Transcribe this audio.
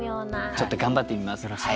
ちょっと頑張ってみます。